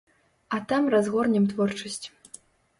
А там разгорнем творчасць.